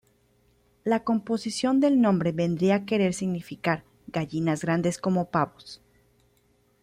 La composición del nombre vendría a querer significar "gallinas grandes como pavos".